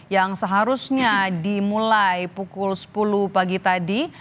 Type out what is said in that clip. yang seharusnya dimulai pukul sepuluh pagi tadi